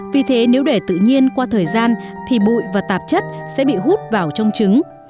vì thế nếu để tự nhiên qua thời gian thì bụi và tạp chất sẽ bị hút vào trong trứng